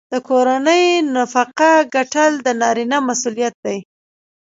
د کورنۍ نفقه ګټل د نارینه مسوولیت دی.